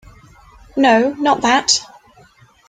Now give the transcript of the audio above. No, not that!